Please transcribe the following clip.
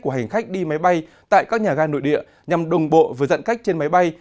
của hành khách đi máy bay tại các nhà ga nội địa nhằm đồng bộ với dặn cách trên máy bay